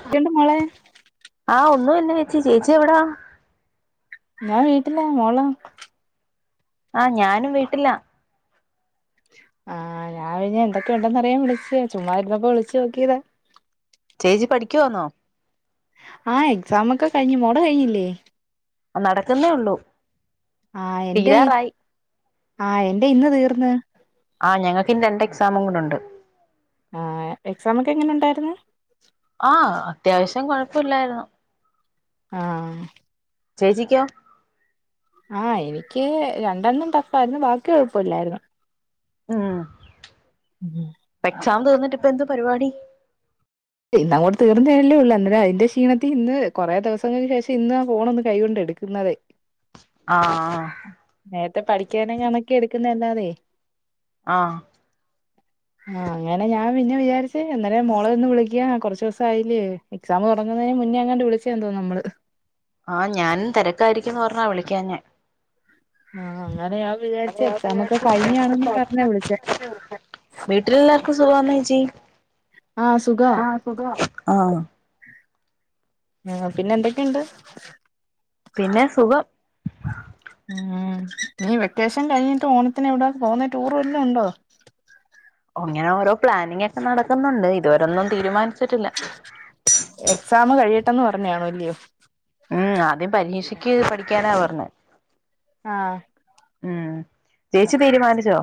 [unintelligible] മോളെ ആഹ് ഒന്നുല്ല ചേച്ചി ചേച്ചി എവടാ ഞാൻ വീട്ടിലെ മോളോ? ആഹ് ഞാനും വീട്ടില ആഹ് ഞാൻ പിന്നെ എന്തൊക്കെ ഒണ്ടെന്ന് അറിയാൻ വിളിച്ചയാ ചുമ്മാതിരുന്നപ്പൊ വിളിച്ചു നോക്കിയതാ ചേച്ചി പഠിക്കുവാന്നോ ആഹ് എക്സാം ഒക്കെ കഴിഞ്ഞ് മോൾടെ കഴിഞ്ഞില്ലേ ആഹ് നടക്കുന്നേ ഒള്ളൂ ആഹ് എന്റെ തീരാറായി ആഹ് എന്റെ ഇന്ന് തീർന്ന് ആഹ് ഞങ്ങക്കിനി രണ്ടേ എക്സാമും കൂടെ ഉണ്ട് ആഹ് എക്സമൊക്കെ എങ്ങനെ ഉണ്ടായിരുന്ന്‌ ആഹ് അത്യാവശ്യം കൊഴപ്പല്ലായിരുന്ന് ആഹ് ചേച്ചിക്കോ ആഹ് എനിക്ക് രണ്ടെണ്ണം ടഫായിരുന്ന് ബാക്കി കൊഴപ്പയില്ലായിരുന്ന് ഉം എക്സാം തീർന്നിട്ട് ഇപ്പം എന്തുവാ പരിപാടി ഇന്ന് അങ്ങോട്ട് തീർന്നല്ലെ ഒള്ള് അന്നേരം അതിന്റെ ക്ഷീണത്തി ഇന്ന് കുറെ ദെവസങ്ങക്ക് ശേഷം ഇന്ന് ആ ഫോണ് ഒന്ന് കൈ കൊണ്ട് എടുക്ക് ആഹ് നേരത്തെ പഠിക്കാൻ എങ്ങാനുക്കെ എടുക്കുന്നതല്ലാതെ ആഹ് ആഹ് അങ്ങനെ ഞാൻ പിന്നെ വിചാരിച്ച് അന്നരം മോളെ ഒന്ന് വിളി ക്കാൻ കൊറച്ച് ദിവസായില്ലെ എക്സാം തൊടങ്ങുന്നതിന് മുന്നേ എങ്ങാണ്ട് വിളിച്ചേ ആന്ന് തോന്ന് നമ്മള് ആഹ് ഞാനും തെരക്കായിരിക്കുന്ന് പറഞ്ഞ വിളിക്കാഞ്ഞെ ആഹ് അങ്ങനെ ഞാൻ വിചാരിച്ച് എക്സാം ഒക്കെ കഴിഞ്ഞാണെന്ന് പറഞ്ഞാ വിളിച്ചേ [inaudible] വീട്ടിലെല്ലാർക്കും സുഖാവാനോ ചേച്ചി? ആഹ് സുഖവാ സുഖവാ ആഹ് ആഹ് പിന്നെ എന്തൊക്കെയുണ്ട് പിന്നെ സുഖം ഉം നീ വെക്കേഷൻ കഴിഞ്ഞിട്ട് ഓണത്തിന് എവിട പോന്നെ ടൂർ വല്ലോം ഉണ്ടോ? ഇങ്ങനെ ഓരോ പ്ലാനിങ്ങ് ഒക്കെ നടക്കുന്നൊണ്ട് ഇതുവരൊന്നും തീരുമാനിച്ചിട്ടില്ല എക്സാമ് കഴിയട്ടന്ന് പറഞ്ഞ് കാണും അല്യോ ഉം ആദ്യം പരീക്ഷക്ക് പഠിക്കാനാ പറഞ്ഞത് ആഹ് ഉം ചേചി തീരുമാനിച്ചോ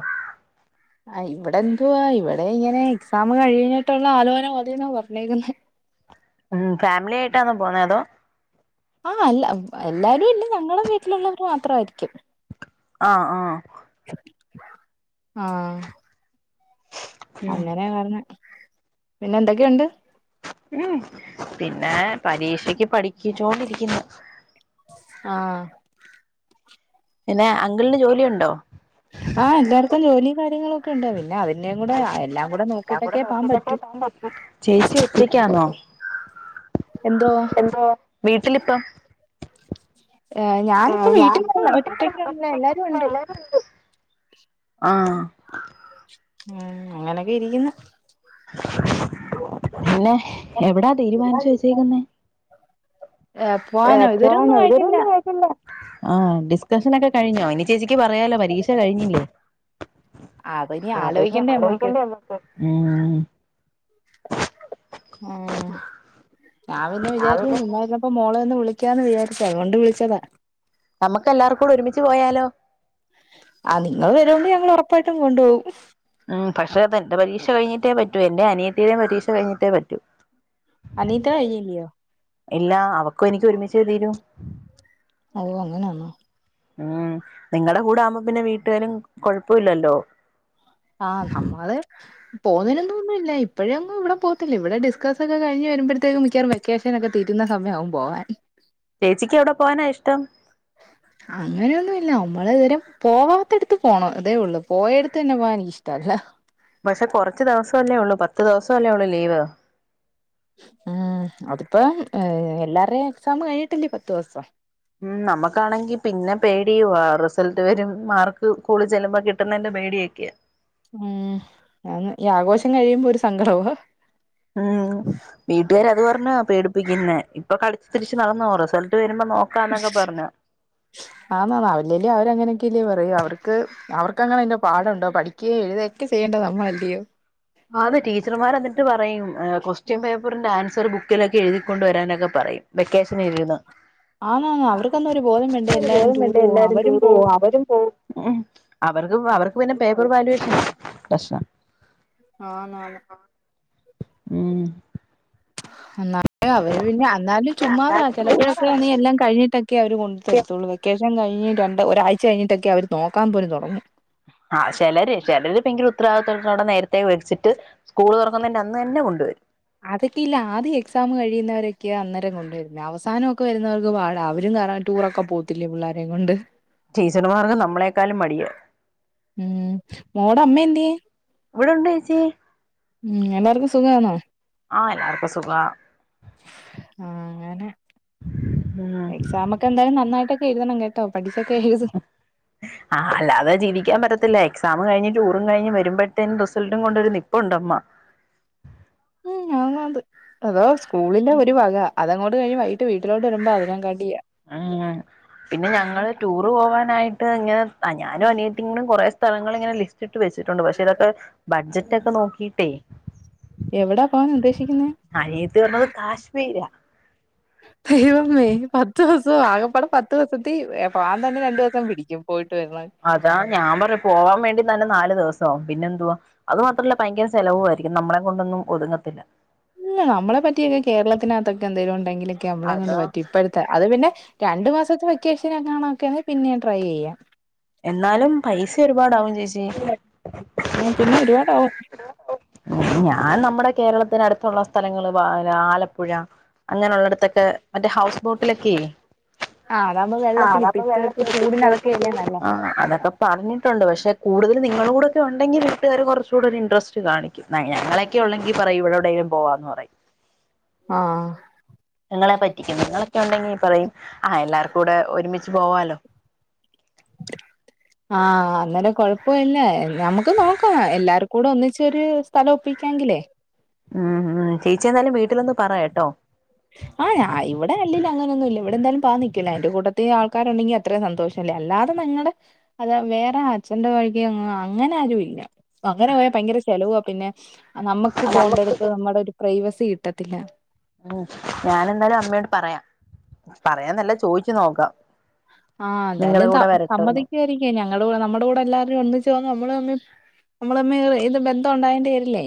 ആഹ് ഇവിടെ എന്തുവാ ഇവിടെ ഇങ്ങനെ എക്സാം കഴിഞ്ഞിട്ടുള്ള ആലോചന മതിന്ന പറഞ്ഞിക്കുന്നെ ഉം ഫാമിലി ആയിട്ടാന്നോ പോന്നേ അതോ ആഹ് അല്ല എല്ലാരും ഇല്ല ഞങ്ങളെ വീട്ടിലുള്ളവർ മാത്രമായിരിക്കും ആഹ് ആഹ് ആഹ് ഉം അങ്ങനെ പറഞ്ഞ പിന്നെ എന്തൊക്കെയുണ്ട് ഉം പിന്നെ പരീക്ഷക്ക് പഠിക്കിച്ചോണ്ടിരിക്കുന്നു ആഹ് പിന്നെ അങ്കിളിന് ജോലിയുണ്ടോ ആഹ് എല്ലാർക്കും ജോലി കാര്യങ്ങളൊക്കെ ഉണ്ടാവ പിന്നെ അവ എന്നും കൂടെ എല്ലാം കൂടെ നോക്കിട്ടൊക്കെ പോകൻ പറ്റൂ. ചേച്ചി ഒറ്റക്കാന്നോ എന്തോ എന്തോ വീട്ടിലിപ്പം എ ഏഹ് ഞാനിപ്പ വീട്ടിൽ ഞാനിപ്പോ അല്ല വീട്ടിൽ ഒറ്റക്കാണല്ല എല്ലാരും ഒറ്റക്കില്ല ഉണ്ട് ആഹ് ഉം അങ്ങനൊക്കെ ഇരിക്കുന്നു പിന്നെ എവിടാ തീരുമാനിച്ചു വെച്ചക്കുന്നേ ഏ പോവാനോ പോണോ ഇതുവരെൊന്നും ഇതു വരെ ആയിട്ടില്ല ഒന്നും കഴിച്ചില്ല ആഹ് ഡിസ്കഷൻ ഒക്കെ കഴിഞ്ഞോ ഇനി ചേച്ചിക്ക് പറയാലോ പരീക്ഷ കഴിഞ്ഞില്ലേ അതിനി അതുപിന്നെ ആലോചിക്കണ്ടേ ആലോചിക്കണ്ടെ നമ്മക്ക് ഉം ആഹ് ഞാൻ പിന്നെ ഞാൻ വിചാരിച്ചു പിന്നെ ചുമ്മ ഇരുന്നപ്പം ഇപ്പൊ മോളെ ഒന്ന് വിളിക്കാന്ന് വിചാരിച്ച അതുകൊണ്ട് വിളിച്ചതാ നമ്മക്ക് എല്ലാർക്കും കൂടി ഒരുമിച്ച് പോയാലോ ആഹ് നിങ്ങൾ വരുങ്കി ഞങ്ങൾ ഉറപ്പായിട്ടും കൊണ്ടുപോകും ഉ്മ് പക്ഷേത എന്റെ പരീക്ഷ കഴിഞ്ഞിട്ടേ പറ്റൂ എന്റെ അനിയത്തിയും പരീക്ഷ കഴിഞ്ഞിട്ടേ പറ്റൂ അനീറ്റ കഴിഞ്ഞില്ലയോ ഇല്ല അവക്കും എനിക്ക് ഒരുമിച്ച് എ തീരു ഓ അങ്ങനെയാണോ ഉം നിങ്ങളടെ കൂടെ ആവുമ്പോ പിന്നെ വീട്ടുകാരും കൊഴപ്പ ഇല്ലല്ലോ ആഹ് നമ്മള് പോകുന്നൊന്നുമില്ല ഇപ്പോഴ ഒന്നും ഇവിടെ പോത്തില്ല ഇവിടെ ഡിസ്കസ്ക്കെഴിഞ്ഞ് വരുമ്പഴത്തേക്ക് മിക്കാറ വെകേഷനൊക്കെ തീരുന്ന സമയമാവും പോകാൻ ചേച്ചിക്ക് എവിടെ പോവാനാ ഇഷ്ടം [unintelligible] അങ്ങനെയൊന്നുമില്ല നമ്മള് ഇതുവരെ പോവാത്തടുത്ത് പോണം അതേ ഉള്ളൂ പോയ അടുത്ത് തന്നെ പോകൻ എനിക്കിഷ്ടല്ല പക്ഷെ കുറച്ച് ദിവസ അല്ലേ ഉള്ളൂ പത്ത് ദിവസം അല്ലേ ഉള്ളൂ ലീവ് ഉം അതിപ്പം എല്ലാരും എക്സാം കഴിഞ്ഞട്ടല്ലേ പത്ത് ദിവസം ഉം നമ്മുക്കാണെങ്കി പിന്നെ പേടിയ റിസൾട്ട് വരും മാർക്ക് സ്കൂളി ചെല്ലുമ്പോൾ കിട്ടുന്നതിന്റെ പേടിയൊക്കെയ ഉം അങ്ങ് ഈ ആഘോഷം കഴിയുമ്പോ ഒരു സങ്കടവ ഉം വീട്ടുകാര് അത് പറഞ്ഞ പേടിപ്പിക്കുന്നേ ഇപ്പൊ കളിച്ചു തിരിച്ച് നടന്നോ റിസൾട്ട് വരുമ്പോ നോക്കാന്നൊക്കെ പറഞ്ഞു ആന്നാ ന അവല്ലല അവരങ്ങനെയൊക്കെല്ലേ പറയ അവർക്ക് അവർക്ക് അങ്ങനെ പാടുണ്ടോ പഠി ഏ ഴ്തൊക്കെ ചെയ്യേണ്ട നമ്മളല്ലിയോ? ആത് ടീച്ചർമാരെന്തെൽ.. പറയും ക്വൊസ്റ്റ്യൻ പേപ്പറിന്റെ ആൻസർ ബുക്കിലൊക്കെ എഴുതിക്കൊണ്ട് വരാനൊക്കെ പറയും. വെക്കേഷൻ ഇരുന്ന് ആന്നാന്ന് അവർക്കൊന്നും ഒരു ബോധം വേണ്ടേ [unintelligible] എല്ലാരും ബോധം ടൂർ വേണ്ടെ പോവാ എല്ലാരും അവരും ടൂറ് പോവും അവരും പോവും ഉം അവർക്ക് അവർക്ക് പിന്നെ പേപ്പർ വാല്യുഷ പ്രശനം. ആണാണ്. ം എന്നാലും അവര് പിന്നെ എന്നാലും അവര് പിന്നെ എന്നാലും ചുമ്മാതാ അതായത് സുഖാണ് ചിലപ്പോഴൊക്കെ നീ എല്ലാംകഴിഞ്ഞിട്ട ക്കെ അവര് കൊണ്ടു തരത്തൊള്ളൂ വെക്കേഷൻ കഴിഞ്ഞ് രണ്ട് ഒരാഴ്ച കഴിഞ്ഞിട്ടൊക്കെ അവര് നോക്കാൻപോലും തുടങ്ങു. ആഹ് ചെലരി ചലര് ഭയങ്കര ഉത്തരവാദിത്വത്തോടെ നേരത്തെ വിച്ചിട്ട് സ്കൂൾ തുറക്കുന്നതിന്റെ അന്ന് തന്നെ കൊണ്ടുവരും. അതൊക്കെ ഇല്ല ആദ്യം എക്സാം കഴിയുന്നവരൊക്കെ അന്നേരം കൊണ്ടുവരുന്ന അവസാനൊക്കെ വരുന്നവർക്ക് പാട അവരും കാരണം ടൂറൊക്കെ പോ ത്തില്ല പിള്ളാരേം കൊണ്ട്. ടീച്ചർമാർക്ക് നമ്മളെക്കാളും മടിയ. ം മോട അമ്മ എന്ത്യേ? ഇവിടെ ഉണ്ടോ ചേച്ചി ഉം എല്ലാർക്കും സുഖാണോ? ആഹ് എല്ലാർക്കും സുഖാ. ആഹ് ഉം എക്സാമോ ക്കെ എന്തായാലും നന്നായിട്ടൊക്കെ എഴുതണം കേട്ടോ പഠിച്ചൊക്കെ എഴുത്. ആഹ് അല്ലാതെ ജീവിക്കാൻ പറ്റത്തില്ല എക്സാം കഴിഞ്ഞ് ടൂറും കഴിഞ് വരുമ്പോഴത്തേും റിസൾട്ടും കൊണ്ടൊരു നിപ്പുണ്ടുമ്മ. ം [unintelligible] അതോ സ്കൂളിന്റെ ഒരു വക അതങ്ങോട്ട് കഴി ട്ട് വീട്ടിലോട്ട് വരുമ്പോ അതിനാകാട്ടിയാ അങ്ങനെ പിന്നെ ഞങ്ങള് ടൂറ് പോവാനായിട്ട് ങ്ങനെ ഞാനും അനിയത്തികൂടി കുറേ സ്ഥ സ്ഥലങ്ങളിങ്ങനെ ലിസ്റ്റിട്ട് വെച്ചിട്ടുണ്ട് പക്ഷെ ഇതൊക്കെ ബഡ്ജറ്റ് ഒക്കെ നോക്കിയിട്ടേ എവിടാ പോവാനുദ്ദേശിക്കുന്നെ? അനിയത്തി പറഞ്ഞത് കാശ്മീരാ ദൈവമേ പത്ത് ദുവസോ ആകപ്പാടെ പത്ത് ദുവസത്തി പോകാൻ തന്നെ രണ്ടു ദിവസം പിടിക്കും പോയിട്ട് വരുണെ അതാ ഞാൻ പറഞ്ഞു പോവാൻ വേണ്ടിതന്നെ നാല് ദിവസാവും പിന്നെ എന്തുവാ അത് മാത്രല്ല ഭയങ്കര സ് ചെലവു ആയിരിക്കും നമ്മളെ കൊണ്ടൊന്നും ഒതുങ്ങത്തില്ല. ഇല്ല നമ്മളെ പറ്റിയൊക്കെ കേരളത്തിനകത്തൊക്കെ എന്തെങ്കലും ഉണ്ടെങ്കിലൊക്കെ നമ്മളെ കൊണ്ട് അതാ പറ്റി ഇപ്പോഴത്തെ അത് പിന്നെ രണ്ടു മാസത്തെ വെക്കേഷനൊ ക്കാണൊക്കെ പിന്നെ ട്രൈ ചെയ്യാ. എന്നാലും പൈസ ഒരുപാടാവും ചേച്ചി. ആഹ് പിന്നെ ഒരുപാടാവും. ഞാൻ നമ്മുടെ കേരളത്തിന്ടുത്തുള്ള സ്ഥലങ്ങള് ആലപ്പുഴ അങ്ങനെയള്ളടത്തൊക്കെ മറ്റേ ഹൗസ് ബോട്ടിലൊക്കെ ആഹ് അതാകുമ്പോ ആഹ് വെള്ളത്തില് ഇപ്പ അതാമ്പൊ ഇപ്പഴത്തെ വെള്ളത്തിൽ ചൂടിന് അതൊക്കെയല്ലേ [unintelligible] നല്ലത് ആഹ് അതൊക്കെ പറഞ്ഞിട്ടുണ്ട് പക്ഷെ കൂടുതൽ നിങ്ങളു കൂടെ ഉണ്ടെങ്കിൽ വട്ടുകാര് കുറച്ചുകൂടി ഒരു ഇൻട്രസ്റ്റ് കാണിക്കും ഞങ്ങളൊക്കെ ള്ളെങ്കി പറയും ഇവിടെവിടെങ്കലും പോവാന്ന് പറയും. ആഹ് നിങ്ങളെ പറ്റിക്കും നിങ്ങളൊക്കെ ഉണ്ടെങ്കിൽ പറയും ആഹ് എല്ലാവർക്കുടെ ഒരുമിച്ച് പോവാലോ. ആഹ് അന്നേരം കൊഴപ്പോയില്ല നമുക്ക് നോക്കാം എല്ലാർകൂടെ ഒന്നിച്ചൊരു സ്ഥലം ഒപ്പിക്കാങ്കിലേ ം ം ചേച്ചി എതായാലും വീട്ടിലൊന്ന് പറേട്ടോ? ആ ഞ ഇവിടെല്ലേലും അങ്ങനൊന്നുല്ല ഇവിടെന്തായാലും പാ നിക്കില്ല എന്റെ കൂട്ടതിൽ ആൾക്കാരുണ്ടെങ്ങി അത്രേം സന്തോഷല്ലേ അല്ലാതെ നിങ്ങളുടെ അത വേറെ അച്ഛന്റെ വഴിക്കങ്ങനെ ആരൂല്ല. അങ്ങനെ പോയാ ഭയങ്കര ചെലവാ പിന്നെ നമ്മുക്ക് നമുക്ക് പോണ്ടടുത്ത് നമ്മുടെ ഒരു പ്രൈവസി കിട്ടത്തില്ല. ഉം ഞാനെന്താലും അമ്മയോട് പറയാം. പറയാന്നല്ല ചോദിച്ചു നോക്കാം ആഹ് നിങ്ങളെ എന്തായാലും സ കൂടെ വരട്ടോന്ന് സമ്മതിക്കയ് ഞങ്ങളുടെ കൂടെ നമ്മുടെ കൂടെ എല്ലാരും ഒന്നിച്ചുന്ന നമ്മള് ഒന്ന് നമ്മള് ഇത് ബന്ധം ഉണ്ടായേണ്ടി വരില്ലേ?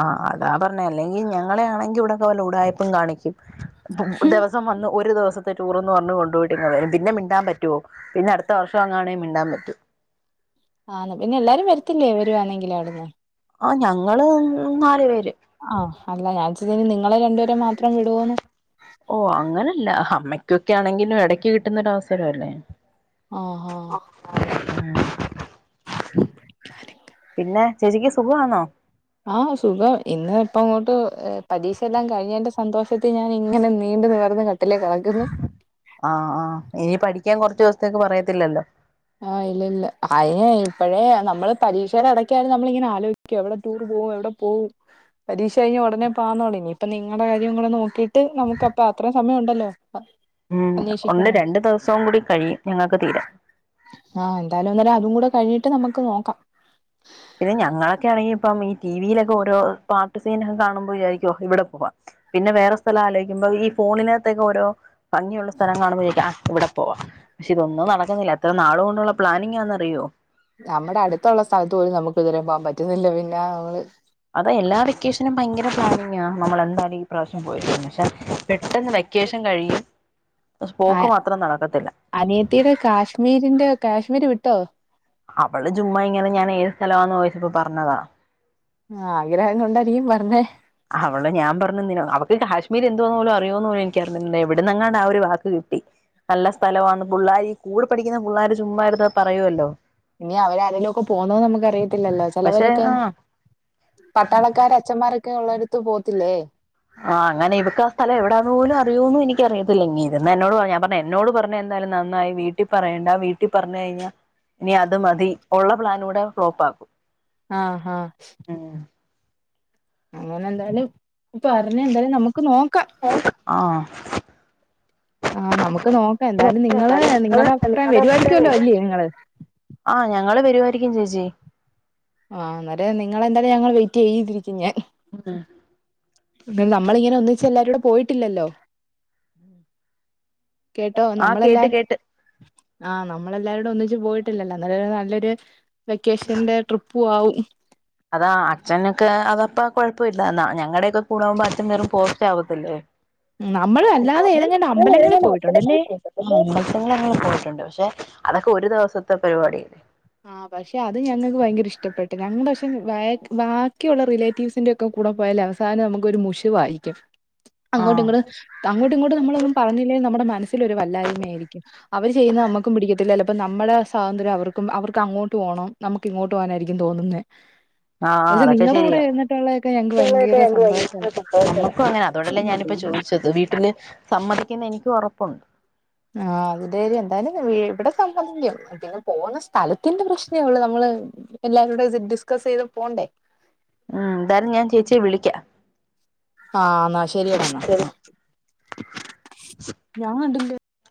ആഹ് അതാ പറഞ്ഞ അല്ലെങ്കിൽ ഞങ്ങളെണെങ്കി ഇവിടെ പോലെ ഉടായപ്പും കാണിക്കും ദിവസം വന്ന് ഒരു ദിവസത്തെ ടൂർന്ന് പറഞ്ഞ് കൊണ്ടപോ പിന്നെ മിണ്ടാൻപറ്റോ പിന്നെ അടുത്ത വർഷം അങ്ങാെങ്ക മിണ്ടാൻ പറ്റ. ആഹ് പിന്നെ എല്ലാരും വരത്തില്ലേ വരുവാണെങ്കില അവിടുന്ന്? ആഹ് ഞങ്ങള് മൂന്നാല് പേര്. ആഹ് അല്ല ഞാൻ വിചാരിച്ച് നിങ്ങളെ രണ്ടുപേരെ മാത്രം വിടോന്ന് ഓ അങ്ങനല്ല അമ്മയ്ക്കൊക്കെ ആണെങ്കിലും ഇടക്ക് കിട്ടുന്നൊര വസരംല്ലേ. ആഹ് ആഹ് പിന്നെ ചേച്ചിക്ക് സുഖാണോ? ആഹ് സുഖം ഇന്ന് ഇപ്പ ഇങ്ങോട്ട് പരീക്ഷയെല്ലാം കഴിഞ്ഞന്റെ സന്തോഷ ത്ത് ഞാന ഇങ്ങനെ നീണ്ടു നേർന്ന് കട്ടിലേ കിടക്കുന്നു. ആഹ് ആഹ് ഇനി പഠിക്കാൻ കുറച്ച് ദിവസത്തേക്ക് പറയത്തില്ലല്ലോ? ആഹ് ഇല്ല ഇല്ല അനെ ഇപ്പോഴേ നമ്മള് പരീക്ഷൽടക്കാലും നമ്മള ഇങ്ങനെ ആലോ എവിടെ ടൂർ പോവും എവിടെ പോവും പരീക്ഷ കഴിഞ്ഞു ഉടെനെ പ ഇനി ഇപ്പ നിങ്ങളുടെ കാര്യം കൂടെ നോക്കി ഇട്ട് നമുക്ക് അപ്പ അത്ര യും സമയം ഉണ്ടല്ലോ അന്വേഷിക്കാന്. രണ്ട് ദിവസവു കൂടി കഴിയും. ഞങ്ങൾക്ക് തീരാൻ ആഹ് എന്തായാലും എന്നാലഅതും കൂടെ കഴിഞ്ഞിട്ട് നമുക്ക് നോക്കാം. പിന്നെ ഞങ്ങളൊക്കെ ആണെങ്കിൽ ഇപ്പം ഈ ടിവിയിലൊക്കെ ഓരോ പാട്ട് സീനൊക്കെ കാണുമ്പോ വിചാരിക്കു ഇവിടെ പോവാം. പിന്നെ വേറെ സ്ഥലം ആലോയ്ക്കുമ്പോ ഈ ഫോണിനത്തേക്കെ ഓരോ ഭംഗിയുള്ള സ്ഥലം കാണുമ്പോഴേക്കാം ആ ഇവിടെ പോവാ പക്ഷെ ഇതൊന്നും നടക്കുന്നില്ല എത്ര നാളുകൊണ്ടുള്ള പ്ലാനിങ്ങാന്ന് അറിയോ? ന്നമ്മുടെ അടുത്തുള്ള സ്ഥലത്ത് പോലും നമുക്ക് ഇതെരേ പോവാം പറ്റുന്നില്ല പിന്നെ അമ്ള് അതേ എല്ലാ വെക്കേഷനും ഭയങ്കര പ്ലാനിങ്ങാ നമ്മളെന്താലും ഈ പ്രാവശ്യം പോയിരിക്കും പക്ഷെ പെട്ടെന്ന് വെക്കേഷൻ കഴിയും പോക്ക് മാത്രം നടന്നിട്ടില്ല അനിയത്തീടെ കാശ്മീരിന്റെ കാശ്മീര് വിട്ടോ അവള് ജുമ്മാ ഇങ്ങനെ ഞാൻ ഏത് സ്ഥലാന്ന് ഓയ്ച്ചപ്പം പർഞ്ഞതാ ആഗ്രഹം കൊണ്ടാടീ പർഞ്ഞേ അവള് ഞാൻപർഞെന്നിനൊ അവക്ക് കാശ്മീര് എന്തോന്നുപോലും അറിയോന്നുലേനി ക്കിഅർഞിന്നെ എവിടന്നങ്ങാണ്ട് ആ ഒരു വാക്ക് കിട്ടി ന്നല്ല സ്ഥലമാണ് പുള്ളാരി കൂടെ പഠിക്കുന്ന പുള്ളാര് ചുമ്മാ ഇര്ന്ന് പറയു വല്ലോ ഞി അവരാരേലും ഒക്കെ പോന്നോ ന്ന് ന്നമുക്ക് അറിയത്തില്ലല്ലോ പക്ഷെ ചെലവരൊക്കെ ആ പട്ടാളക്കാരൻ അച്ചൻമാരൊക്കെ ഉള്ളോരത്ത് പോത്തില്ലേ ആഹ് അങ്ങനെ ഇവക്ക് ആ സ്ഥല എവിടാന്ന് പോലും അിയോന്നും എനിക്കറിയത്തില്ല ങി ഇര്ന്നെ എന്നോട്പർഞാ ഞാൻ പർഞേൻ ന്നോട് പർഞ്ഞേ എന്താലും ന്നന്നായി വീട്ടി പറയണ്ട വീട്ടി പർഞയ്ഞ്ഞാ ഇനി അത് മതി ഉള്ള പ്ലാനൂടെ സ്റ്റോപ്പാക്കും ആഹ് ആഹ് ഉം അങ്ങന എന്തായാലും പർണന്താണെന്ന് എന്തായാലും ന്നമുക്ക് ന്നോക്ക ആഹ് ആഹ് ന്നമുക്ക് ന്നോക്ക എന്തായാലും നിങ്ങള് നിങ്ങടെ അഭിപ്രായം വെരുവായിരിക്കുഎല്ലോ അല്ലേ നിങ്ങള് ആഹ് ഞങ്ങള് വെരുവായിരിക്കും ചേച്ചീ ആഹ് ഇന്നട്ട് നിങ്ങളെന്തായാലും ഞങ്ങള് വെയിറ്റെയ്തിരിക്കും ഞാൻ ആഹ് ഇത് നമ്മളിങ്ങനെ ഒന്നിച്ച് എല്ലാരൂടെ പോയിട്ട്ല്ലല്ലോ കേട്ടോ ആ ന്നമ്മളെല്ലാ കേട്ട് കേട്ട് ആഹ് ന്നമ്മളെല്ലാരൂടെ ഒന്നിച്ച് പോയിട്ടില്ലല്ലോ എന്നാല്ലൊരു നല്ലൊര് വെക്കേഷന്റെ ട്രിപ്പും ആവും ഹ്മ്മ് അതാ അച്ഛന്ക്ക് അതപ്പ കൊഴപ്പവില്ലാ എന്നാ ഞങ്ങടെയൊക്കെ കൂടാവുമ്പോ അച്ഛനൊരു പോസ്റ്റാവത്തില്ലേ നമ്മള് അല്ലാതെ ഏതെങ്ങാണ്ട് അമ്പലങ്ങളിൽ ന്നാപ്പത്തേഴ്ലക്ഷത്തേന് [unintelligible] പത്ത്ലക്ഷം പോയിട്ടുണ്ടല്ലേ കിട്ടുട്ടോ [unintelligible] ഞങ്ങള് പോയിട്ടുണ്ട് പക്ഷെ അതൊക്കെ ഒരു ദിവസത്തെ പരിപാടി ആഹ് പക്ഷെ അത് ഞങ്ങക്ക് ഭയങ്കര ഇഷ്ടപ്പെ ട്ട്, രണ്ട്സം വേക്ക് ബാക്കിയുള്ള റിലേറ്റിവ്സ്ന്റെ കൂടെ പോയല് അവസാനം നമുക്കൊര് മുഷിവായിരിക്കും അങ്ങോട്ട് ആഹ് ഇങ്ങട് അങ്ങോട്ടും ഇങ്ങോട്ടും നമ്മളൊന്നും പറഞ്ഞില്ലേ നമ്മുടെ മനസ്സിലൊരു വല്ലായ്മ ആയിരിക്കും അവര് ചെയ്യുന്നെ നമ്മക്കും പിടിക്കത്തില്ല ചെലപ്പം നമ്മളേ സ്വാതന്ത്ര്യം അവർ ക്കും, അവർക്ക് അങ്ങോട്ട് പോണം നമുക്ക് ഇങ്ങോട്ട് പോവാനായിരിക്കും തോന്നുന്നേ ആഹ് ആഹ് പക്ഷെ അതൊക്കെ നിങ്ങളുടെ കൂടെ ശെരിയാ, ഇരുന്നിട്ടുള്ളതൊക്കെ ഞങ്ങക്ക് [unintelligible] ഭയങ്കര സന്തോഷമാണ് നമുക്കും അങ്ങനാ അതോണ്ടല്ലേ ഞാന്പ്പോ ചോയ് ച്ചത്, വീട്ടില് സമ്മതിക്കുംന്ന് എനിക്ക് ഒറപ്പുണ്ട് ആഹ് ഔധാര്യം എന്തായാലും വീ ഇബടെ സംബന്ധില്ല അതിറ്റങ്ങള് പോണ സ്ഥലത്തിന്റെ പ്രശ്നേ ഒള്ളൂ നമ്മള് എല്ലാരൂടെ ഡി ഡിസ്കസെയ്ത് പോണ്ടേ ആഹ് എന്താലും ഞാൻ ചേച്ചിയേ വിളിക്കാ ആഹ് ഇന്നാ ശെരിയടാ ഇന്നാ. ശരി ഞാൻ കണ്ടില്ല